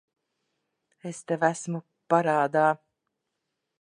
Es tev esmu parādā.